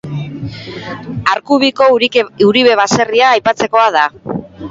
Arku biko Uribe baserria aipatzekoa da.